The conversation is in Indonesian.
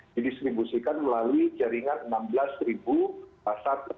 didistribusikan melalui jaringan enam belas pasar